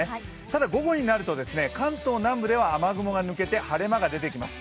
ただ、午後になると関東南部では雨雲が抜けて晴れ間が出てきます。